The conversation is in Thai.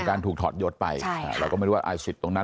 มีการถูกถอดยดไปเราก็ไม่รู้ว่าไอศิษย์ตรงนั้น